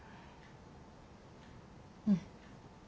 うん。